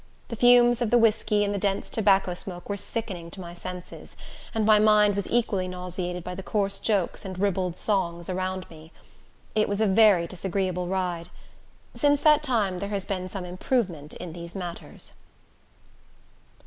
The fumes of the whiskey and the dense tobacco smoke were sickening to my senses, and my mind was equally nauseated by the coarse jokes and ribald songs around me. It was a very disagreeable ride. Since that time there has been some improvement in these matters.